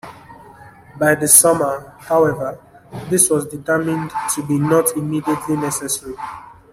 By the summer, however, this was determined to be not immediately necessary.